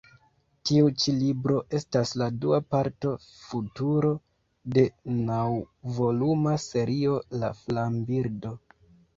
Tiu ĉi libro estas la dua parto Futuro de naŭvoluma serio La flambirdo.